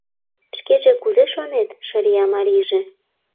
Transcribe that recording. — Шкеже кузе шонет? — шырия марийже.